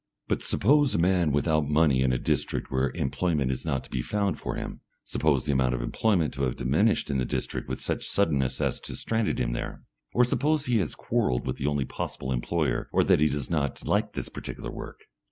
But suppose a man without money in a district where employment is not to be found for him; suppose the amount of employment to have diminished in the district with such suddenness as to have stranded him there. Or suppose he has quarrelled with the only possible employer, or that he does not like his particular work.